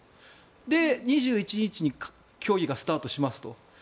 で、２１日に競技がスタートしますと。